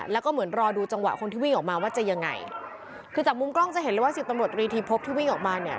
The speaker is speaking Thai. แล้วก็เหมือนรอดูจังหวะคนที่วิ่งออกมาว่าจะยังไงคือจากมุมกล้องจะเห็นเลยว่าสิบตำรวจตรีทีพบที่วิ่งออกมาเนี่ย